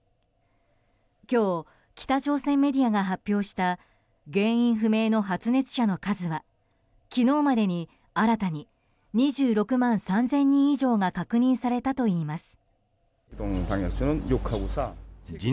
今日、北朝鮮メディアが発表した原因不明の発熱者の数は昨日までに新たに、２６万３０００人以上が確認されたといいます。